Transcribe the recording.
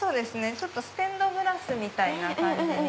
ちょっとステンドグラスみたいな感じに。